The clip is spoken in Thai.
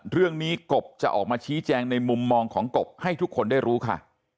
กบจะออกมาชี้แจงในมุมมองของกบให้ทุกคนได้รู้ค่ะ